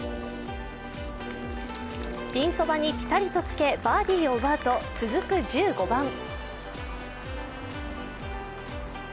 ピンそばにぴたりとつけバーディーを奪うと、続く１５番。